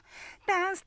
ダンス！